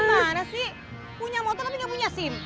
gimana sih punya motor tapi nggak punya sim